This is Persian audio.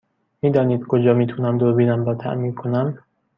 می دانید کجا می تونم دوربینم را تعمیر کنم؟